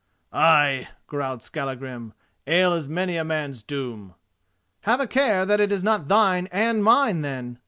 "Ay," growled Skallagrim, "ale is many a man's doom." "Have a care that it is not thine and mine, then!"